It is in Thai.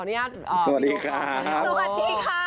ขออนุญาตโอ้โหสวัสดีค่ะสวัสดีค่ะ